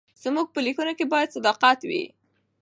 زموږ په لیکنو کې باید صداقت وي.